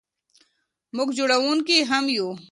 موږ جوړونکي هم یو.